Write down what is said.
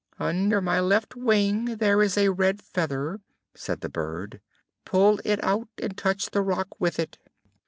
"Under my left wing there is a red feather," said the bird: "pull it out, and touch the rock with it."